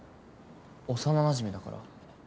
幼なじみだから？